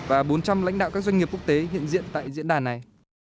và bốn trăm linh lãnh đạo các doanh nghiệp quốc tế hiện diện tại diễn đàn này